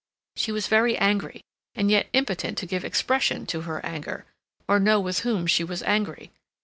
She was very angry, and yet impotent to give expression to her anger, or know with whom she was angry.